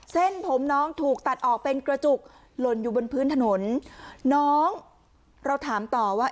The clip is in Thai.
เส้นผมน้องถูกตัดออกเป็นกระจุกหล่นอยู่บนพื้นถนนน้องเราถามต่อว่า